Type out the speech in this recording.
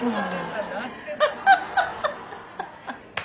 ハハハハハ